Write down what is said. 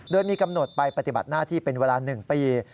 โดยมีกำหนดไปปฏิบัติหน้าที่เป็นเวลา๑ปี